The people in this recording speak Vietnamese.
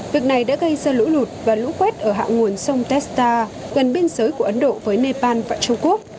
việc này đã gây ra lũ lụt và lũ quét ở hạ nguồn sông testa gần biên giới của ấn độ với nepal và trung quốc